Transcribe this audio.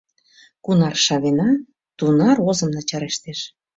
Кунар шавена, тунар озым начарештеш...